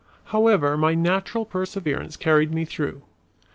However, my natural perseverance carried me through.